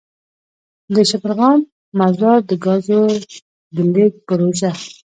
دشبرغان -مزار دګازو دلیږد پروژه.